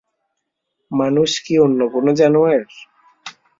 মানুষ কি অন্য কোন জানোয়ার?